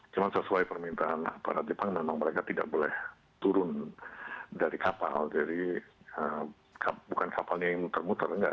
cuma sesuai permintaan para jepang memang mereka tidak boleh turun dari kapal jadi bukan kapalnya yang muter muter enggak